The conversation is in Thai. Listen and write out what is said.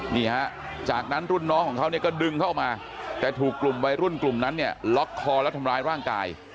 นี่ฮะจากนั้นรุ่นน้องของเขาเนี่ยก็ดึงเข้ามาแต่ถูกกลุ่มวัยรุ่นกลุ่มนั้นเนี่ยล็อกคอแล้วทำร้ายร่างกาย